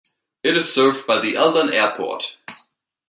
It is served by the Aldan Airport.